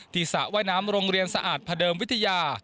สระว่ายน้ำโรงเรียนสะอาดพระเดิมวิทยา